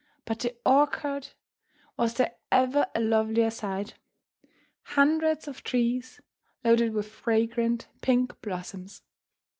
But the orchard! Was there ever a lovelier sight? Hundreds of trees loaded with fragrant pink blossoms!